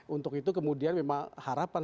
untuk itu kemudian memang harapan